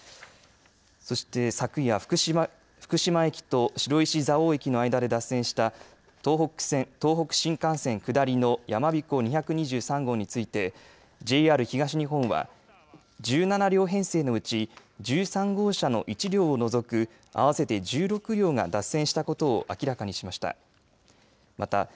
そして昨夜、福島駅と白石蔵王駅の間で脱線した東北新幹線下りのやまびこ２２３号についてＪＲ東日本は１７両編成のうち１３号車の１両を除く合わせて１６両が脱線したことを明らかにしました。